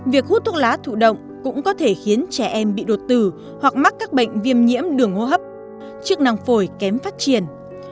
việc hút thuốc lá thụ động cũng có thể khiến trẻ em bị đột tử hoặc mắc các bệnh viêm nhiễm đường hô hấp chức năng phổi kém phát triển